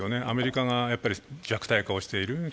アメリカが弱体化をしている。